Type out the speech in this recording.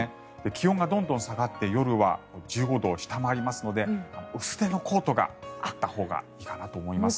気温がどんどん下がって夜は１５度を下回りますので薄手のコートがあったほうがいいかなと思います。